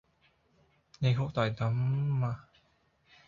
你好大嘅膽呀吓